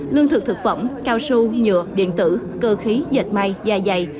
lương thực thực phẩm cao su nhựa điện tử cơ khí dệt may da dày